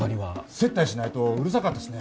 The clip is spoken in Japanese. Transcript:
接待しないとうるさかったしね